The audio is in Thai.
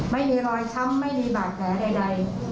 ไม่มีรอยช้ำไม่มีบาดแผลใด